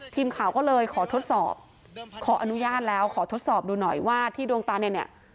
ทีมข่าวก็เลยขอทดสอบขออนุญาตแล้วขอทดสอบดูหน่อยว่าที่ดวงตาเนี่ย